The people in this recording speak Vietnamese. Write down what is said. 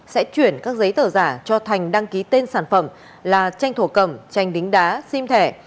sẽ chuyển các giấy tờ giả cho thành đăng ký tên sản phẩm là tranh thổ cầm tranh đính đá sim thẻ